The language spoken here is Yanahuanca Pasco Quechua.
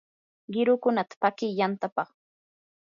qirukunata paki yantapaq.